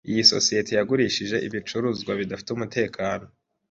Iyi sosiyete yagurishije ibicuruzwa bidafite umutekano.